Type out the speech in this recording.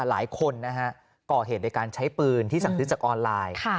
หลายคนนะฮะก่อเหตุในการใช้ปืนที่สั่งซื้อจากออนไลน์